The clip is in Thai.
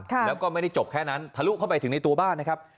แล้วก็ไม่ได้จบแค่นั้นทะลุเข้าไปถึงในตัวบ้านนะครับ